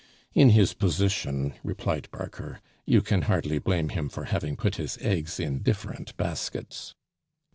"In his position," replied Barker, "you can hardly blame him for having put his eggs in different baskets."